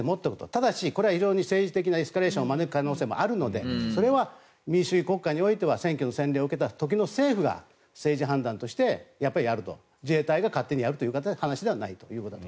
ただし、これは政治的なエスカレーションを招く可能性があるのでそれは民主主義国家においては選挙の洗礼を受けた時の政府が政治判断としてやると。自衛隊が勝手にやるという話ではないと。